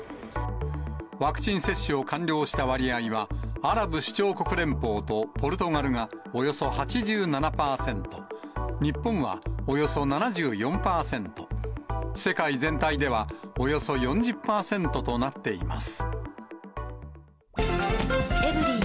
ワクチン接種を完了した割合は、アラブ首長国連邦とポルトガルがおよそ８７％、日本はおよそ７４％、世界全体では、およそ４０％となっています。